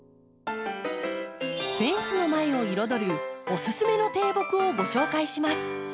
フェンスの前を彩るおすすめの低木をご紹介します。